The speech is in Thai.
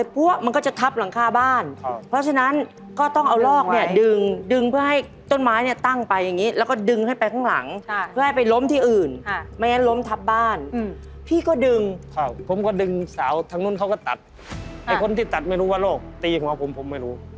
พี่จุ๊กก็ยังไปหยิบโทรศัพท์มาโทร